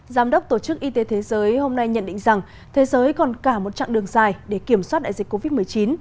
giám đốc tổ chức y tế thế giới hôm nay nhận định rằng thế giới còn cả một chặng đường dài để kiểm soát đại dịch covid một mươi chín